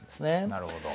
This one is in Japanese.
なるほど。